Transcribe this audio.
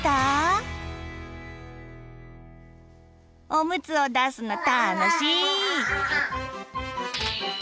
おむつを出すの楽しい。